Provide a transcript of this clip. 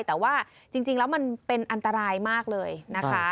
แต่ว่าจริงแล้วมันเป็นอันตรายมากเลยนะคะ